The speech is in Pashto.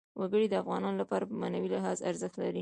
وګړي د افغانانو لپاره په معنوي لحاظ ارزښت لري.